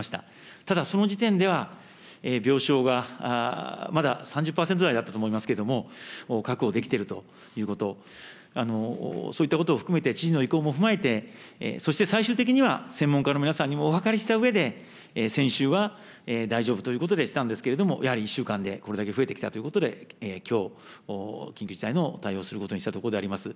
ただその時点では病床がまだ３０％台だったと思いますけども、確保できているということ、そういったことを含めて知事の意向も踏まえて、そして最終的には専門家の皆さんにもお諮りしたうえで、先週は大丈夫ということでしたんですけれども、やはり１週間で、これだけ増えてきたということで、きょう、緊急事態の対応をすることにしたところであります。